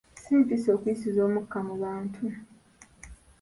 Si mpisa okuyisiza omukka mu bantu.